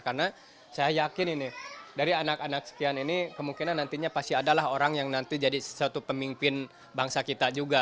karena saya yakin ini dari anak anak sekian ini kemungkinan nantinya pasti adalah orang yang nanti jadi suatu pemimpin bangsa kita juga